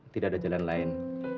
tidak ada jalan lain